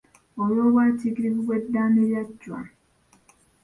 Olw'obwatiikirivu bw’eddaame lya Chwa.